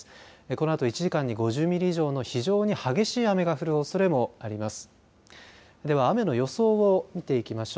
このあと１時間に５０ミリ以上の非常に激しい雨が降るおそれもあります。